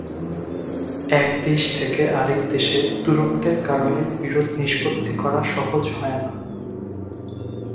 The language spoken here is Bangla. এক দেশ থেকে আরেক দেশে দূরত্বের কারণে বিরোধ নিষ্পত্তি করা সহজ হয়না।